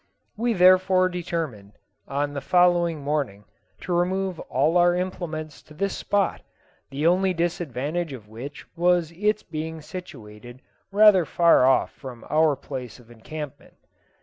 We therefore determined, on the following morning, to remove all our implements to this spot, the only disadvantage of which was its being situated rather far off from our place of encampment.